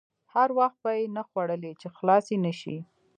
هر وخت به یې نه خوړلې چې خلاصې نه شي.